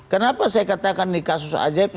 kenapa saya katakan di kasus ajaib